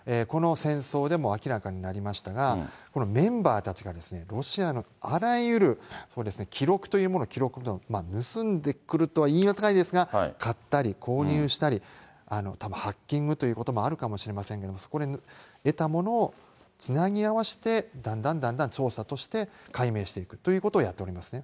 この戦争でも明らかになりましたが、このメンバーたちがロシアのあらゆる記録というものを記録、盗んでくるとは言い難いですが、購入したり、たぶん、ハッキングということもあるかもしれませんが、そこで得たものをつなぎ合わせて、だんだんだんだん調査として解明していくということをやっていると思いますね。